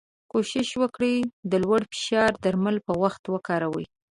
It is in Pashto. کوښښ وکړی د لوړ فشار درمل په وخت وکاروی.